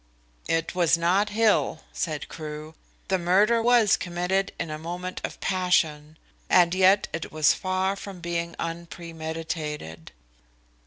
"It was not Hill," said Crewe. "The murder was committed in a moment of passion, and yet it was far from being unpremeditated."